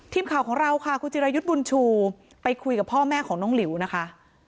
ทีมข่าวของเราค่ะคุณจิรายุทธ์บุญชูไปคุยกับพ่อแม่ของน้องหลิวนะคะ